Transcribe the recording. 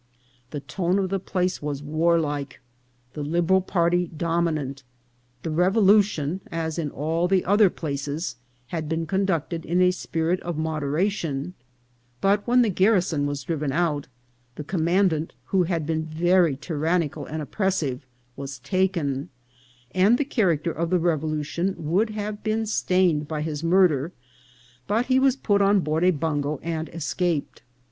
The tone of the place was warlike, the Liberal party dominant. The revolution, as in all the other places, had been conducted in a spirit of moderation ; but when the garrison was driven out, the commandant, who had been very tyrannical and oppressive, was taken, and the character of the revolution would have been stained by his murder, but he was put on board a bungo and escaped.